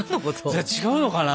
じゃあ違うのかな。